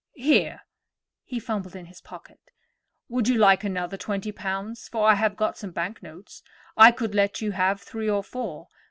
Here"—he fumbled in his pocket—"would you like another twenty pounds, for I have got some bank notes? I could let you have three or four.